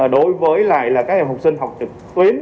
đối với các em học sinh học trực tuyến